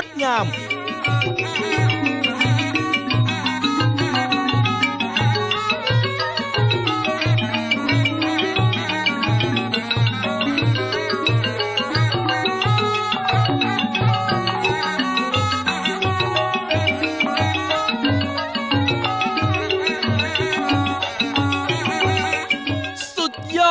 สุดยอดไปเลยล่ะครับกับการแสดงขนเรื่องรามเกียรตอนยกรบจากคุณครูและนักเรียนโรงเรียนบ้านดอนจันทร์